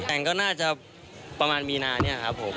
แต่งก็น่าจะประมาณมีนาเนี่ยครับผม